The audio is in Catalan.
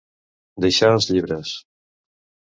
Deixar els llibres.